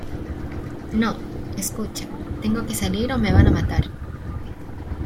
no. escucha ... tengo que salir o me van a matar .